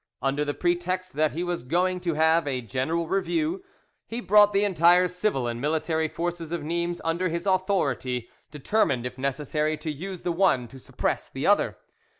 Under the pretext that he was going to have a general review, he brought the entire civil and military forces of Nimes under his authority, determined, if necessary, to use the one to suppress the other.